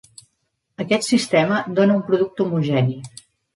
Aquest sistema dóna un producte homogeni.